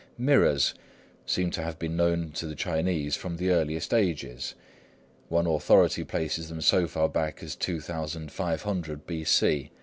Mirrors seem to have been known to the Chinese from the earliest ages. One authority places them so far back as 2500 B.C.